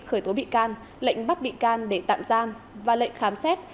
khởi tố bị can lệnh bắt bị can để tạm giam và lệnh khám xét